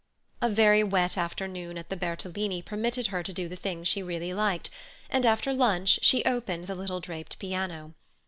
A very wet afternoon at the Bertolini permitted her to do the thing she really liked, and after lunch she opened the little draped piano.